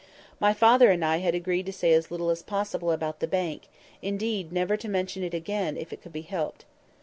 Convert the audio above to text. My father and I had agreed to say as little as possible about the bank, indeed never to mention it again, if it could be helped.